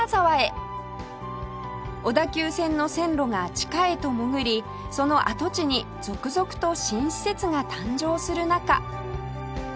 小田急線の線路が地下へと潜りその跡地に続々と新施設が誕生する中